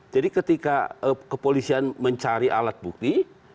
jadi ketika kepolisian mencari alat bukti